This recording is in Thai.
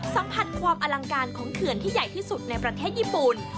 สัมผัสความอลังการของเขื่อนที่ใหญ่ที่สุดในประเทศญี่ปุ่น